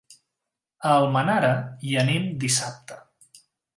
A Almenara hi anem dissabte.